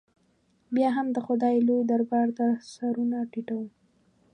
بیا هم د خدای لوی دربار ته سرونه ټیټو.